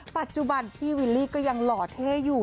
ปัจจุบันพี่วิลลี่ก็ยังหล่อเท่อยู่